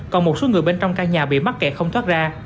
còn một số người bên trong căn nhà bị mắc kẹt không thoát ra